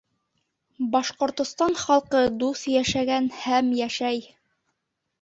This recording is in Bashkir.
Башҡортостан халҡы дуҫ йәшәгән һәм йәшәй